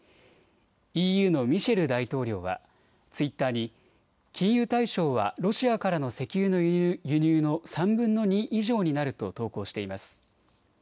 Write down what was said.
ＥＵのミシェル大統領はツイッターに禁輸対象はロシアからの石油の輸入の３分の２以上になると投稿しています。